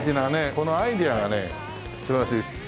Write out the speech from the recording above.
このアイデアがね素晴らしい。